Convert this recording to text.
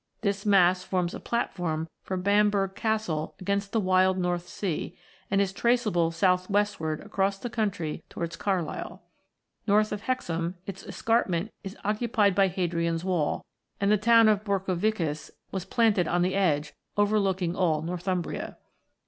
This mass forms a platform for Bamburgh Castle against the wild North Sea, and is traceable south westward across the country towards Carlisle. North of Hexham, its escarpment is occu pied by Hadrian's wall, and the town of Borcovicus was planted on the edge, overlooking all Northumbria.